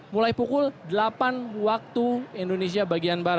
mulai pukul delapan wib